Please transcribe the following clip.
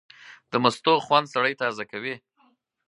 د مستو خوند سړی تازه کوي.